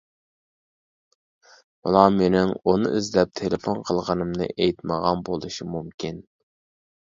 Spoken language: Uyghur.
ئۇلار مېنىڭ ئۇنى ئىزدەپ تېلېفون قىلغىنىمنى ئېيتمىغان بولۇشى مۇمكىن.